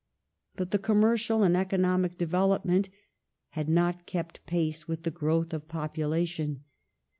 But commercial and economic development had not kept pace with the growth of population.